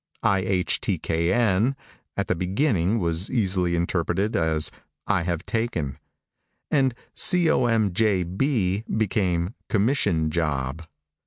IHTKN, at the beginning, was easily interpreted as "I have taken," and COMJB became "commission job."